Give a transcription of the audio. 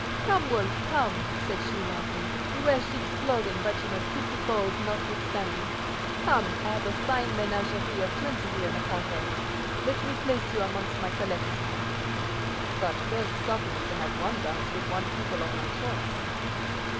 "Come, Wolf; come," said she, laughing: "you wear sheep's clothing, but you must quit the fold notwithstanding. Come; I have a fine menagerie of twenty here in the carré: let me place you amongst my collection." "But first suffer me to have one dance with one pupil of my choice."